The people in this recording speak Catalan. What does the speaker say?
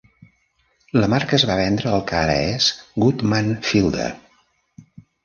La marca es va vendre al que ara és Goodman Fielder.